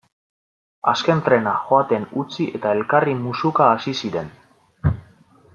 Azken trena joaten utzi eta elkarri musuka hasi ziren.